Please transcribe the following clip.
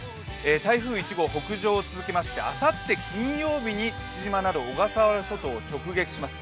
台風１号、北上を続けましてあさって金曜日に父島など小笠原諸島を直撃します。